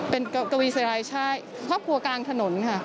เป็นกวีเซรายชายครอบครัวกลางถนน